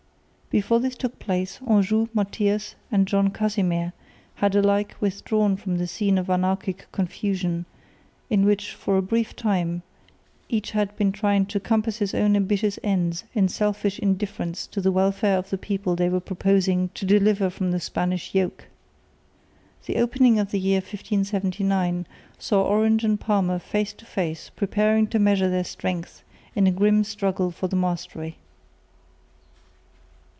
Before this took place, Anjou, Matthias and John Casimir had alike withdrawn from the scene of anarchic confusion, in which for a brief time each had been trying to compass his own ambitious ends in selfish indifference to the welfare of the people they were proposing to deliver from the Spanish yoke. The opening of the year 1579 saw Orange and Parma face to face preparing to measure their strength in a grim struggle for the mastery.